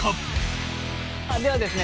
ではですね